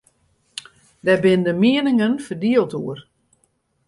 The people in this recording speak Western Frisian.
Dêr binne de mieningen ferdield oer.